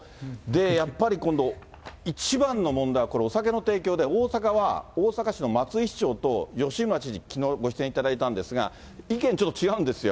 やっぱり今度、一番の問題はこれ、お酒の提供で、大阪は大阪市の松井市長と吉村知事、きのうご出演いただいたんですが、意見ちょっと違うんですよ。